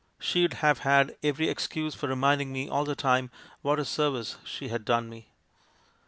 She'd have had every excuse for reminding me all the time what a serv ice she had done me.